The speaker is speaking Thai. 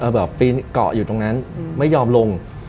แบบปีนเกาะอยู่ตรงนั้นไม่ยอมลง